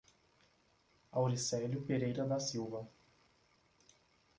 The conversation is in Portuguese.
Auricelio Pereira da Silva